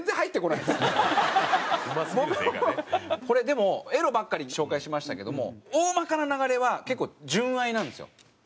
これでもエロばっかり紹介しましたけども大まかな流れは結構純愛なんですよ。